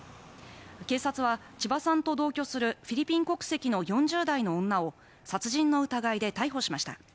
警察は千葉さんと同居するフィリピン国籍の４０代の女を殺人の疑いで逮捕しました。